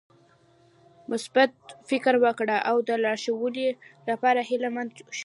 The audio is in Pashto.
مثبت فکر وکړه او د لا ښوالي لپاره هيله مند شه .